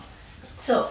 「そう」